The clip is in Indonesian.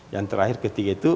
yang terakhir ketiga itu